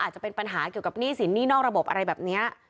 อาจจะเป็นปัญหาเกี่ยวกับหนี้สินหนี้นอกระบบอะไรแบบนี้